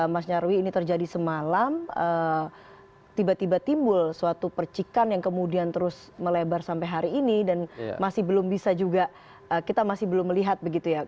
mas nyarwi ini terjadi semalam tiba tiba timbul suatu percikan yang kemudian terus melebar sampai hari ini dan masih belum bisa juga kita masih belum melihat begitu ya